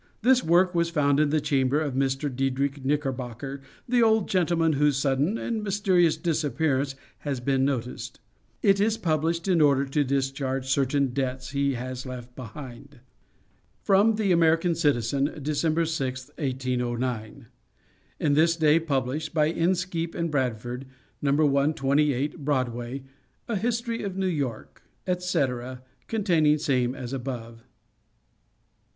This work was found in the chamber of Mr. Diedrich Knickerbocker, the old gentleman whose sudden and mysterious disappearance has been noticed. It is published in order to discharge certain debts he has left behind. From the "American Citizen" December 6, 1809. Is this day published, By INSKEEP and BRADFORD, No. 128, Broadway, A History of New York, &c. &c. (Containing same as above.)